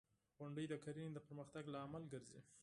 • غونډۍ د کرنې د پرمختګ لامل ګرځي.